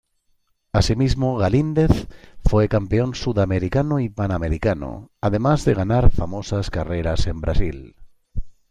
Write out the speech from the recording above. Asimismo Galíndez fue campeón sudamericano y panamericano, además de ganar famosas carreras en Brasil.